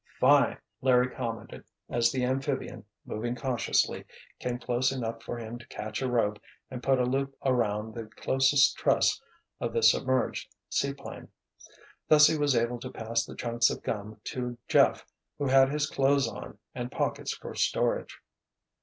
"Fine!" Larry commented as the amphibian, moving cautiously, came close enough for him to catch a rope and put a loop around the closest truss of the submerged seaplane. Thus he was able to pass the chunks of gum to Jeff, who had his clothes on and pockets for storage.